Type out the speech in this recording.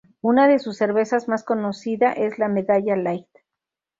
Una de sus cervezas más conocida es la Medalla Light.